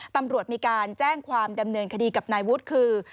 ตำรวจมีการแจ้งความดำเนินคดีกับนายวุฒิคือ